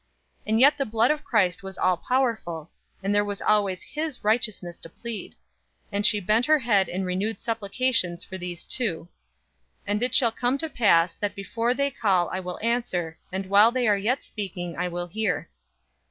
And yet the blood of Christ was all powerful, and there was always his righteousness to plead; and she bent her head in renewed supplications for these two, "And it shall come to pass, that before they call I will answer, and while they are yet speaking I will hear."